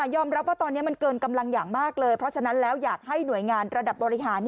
ว่าตอนนี้มันเกินกำลังอย่างมากเลยเพราะฉะนั้นแล้วอยากให้หน่วยงานระดับบริหาร